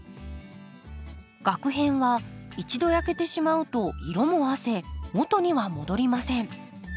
がく片は一度焼けてしまうと色もあせ元には戻りません。